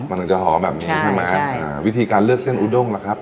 มันถึงจะหอมแบบนี้ใช่ไหมอ่าวิธีการเลือกเส้นอุด้งล่ะครับ